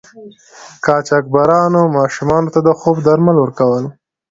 قاچاقبرانو ماشومانو ته د خوب درمل ورکول.